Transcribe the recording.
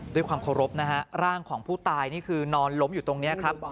ด้วยความเคารพนะฮะร่างของผู้ตายนี่คือนอนล้มอยู่ตรงนี้ครับ